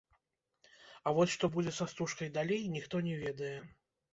А вось што будзе са стужкай далей, ніхто не ведае.